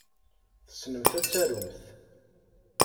Tessnemt ad tarumt.